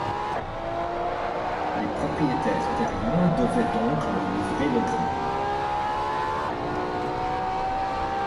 Les propriétaires terriens devaient donc leur livrer le grain.